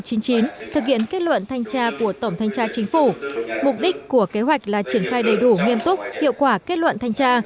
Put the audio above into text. thực hiện kết luận thanh tra của tổng thanh tra chính phủ mục đích của kế hoạch là triển khai đầy đủ nghiêm túc hiệu quả kết luận thanh tra